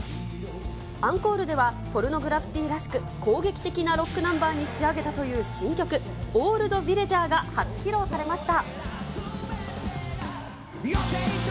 アンコールでは、ポルノグラフィティらしく、攻撃的なロックナンバーに仕上げたという新曲、オールドヴィレジャーが初披露されました。